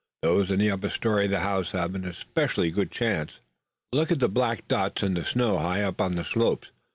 Those in the upper story of the house have an especially good chance. Look at the black dots in the snow high up on the slopes.